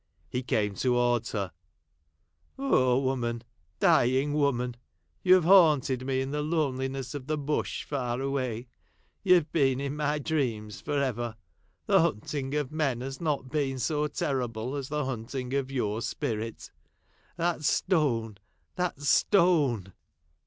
He came towards her :—" Oh, woman — dying woman — you have haunted me in the loneliness of the Bush far away — you have been in my dreams for ever — the hunting of men has not been so terrible as the hunting of your Spirit, — that stone — that stone